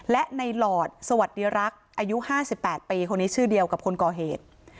และในหลอดสวัสดีรักษ์อายุ๕๘ปีคนนี้ชื่อเดียวกับคนก่อเหตุ